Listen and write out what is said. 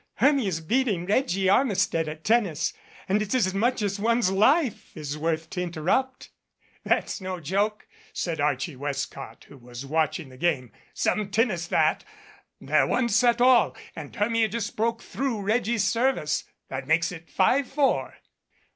Hermia's beating Reggie Armistead at tennis, and it's as much as one's life is worth to inter rupt." "That's no joke," said Archie Westcott, who was watching the game. "Some tennis, that. They're one set all and Hermia just broke through Reggie's service. That makes it five four."